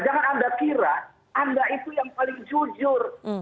jangan anda kira anda itu yang paling jujur